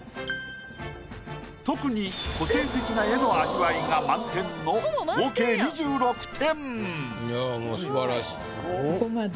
特に個性的な絵の味わいが満点の合計２６点。